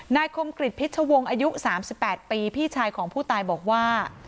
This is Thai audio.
นายคมกฤษพิชวงศ์อายุสามสิบแปดปีพี่ชายของผู้ตายบอกว่า